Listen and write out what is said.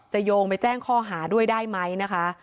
โยงไปแจ้งข้อหาด้วยได้ไหมนะคะ